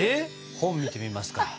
本見てみますか。